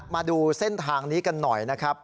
มาดูเส้นทางนี้กันหน่อยนะครับ